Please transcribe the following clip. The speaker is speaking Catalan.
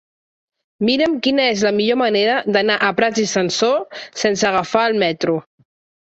Mira'm quina és la millor manera d'anar a Prats i Sansor sense agafar el metro.